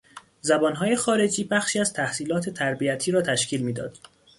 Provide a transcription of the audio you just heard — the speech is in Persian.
زبانهای خارجی بخشی از تحصیلات تربیتی را تشکیل میداد.